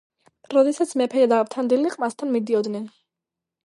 როდესაც მეფე და ავთანდილი ყმასთან მიდიოდნენ